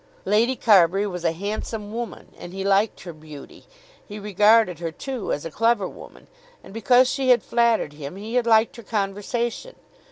Lady Carbury was a handsome woman, and he liked her beauty. He regarded her too as a clever woman; and, because she had flattered him, he had liked her conversation.